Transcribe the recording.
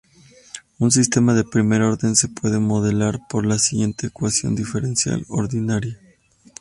Un sistema de primer orden se puede modelar por la siguiente ecuación diferencial ordinaria.